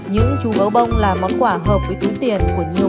những chú gấu bông là món quà hợp với túi tiền của nhiều người